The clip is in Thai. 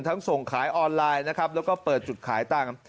ส่งขายออนไลน์นะครับแล้วก็เปิดจุดขายตังค์